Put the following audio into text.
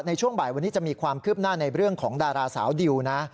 ในช่วงบ่ายวันนี้จะมีความคืบหน้าในเรื่องของดาราสาวดิวนะ